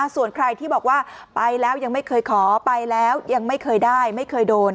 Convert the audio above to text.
ส่วนใครที่บอกว่าไปแล้วยังไม่เคยขอไปแล้วยังไม่เคยได้ไม่เคยโดน